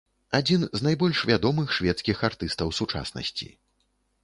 Адзін з найбольш вядомых шведскіх артыстаў сучаснасці.